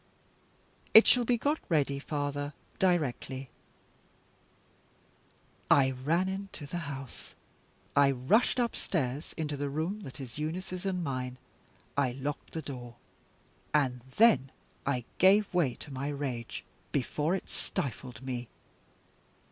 "It shall be got ready, father, directly." I ran into the house; I rushed upstairs into the room that is Eunice's and mine; I locked the door, and then I gave way to my rage, before it stifled me.